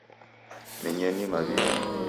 Menyeni mawiwi